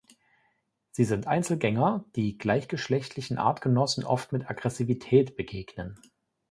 Sie sind Einzelgänger, die gleichgeschlechtlichen Artgenossen oft mit Aggressivität begegnen.